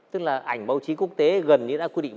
tức là ảnh báo chí quốc tế gần như đã quy định